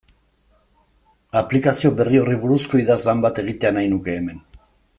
Aplikazio berri horri buruzko idazlan bat egitea nahi nuke hemen.